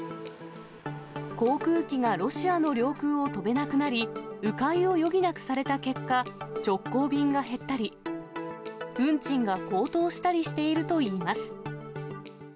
航空機がロシアの領空を飛べなくなり、う回を余儀なくされた結果、直行便が減ったり、運賃が高騰したりしているといいます。